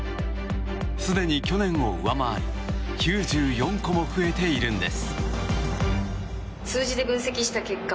すでに去年を上回り９４個も増えているんです。